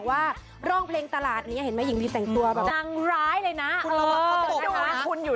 ยังคงฮิตยังร้องกันได้อยู่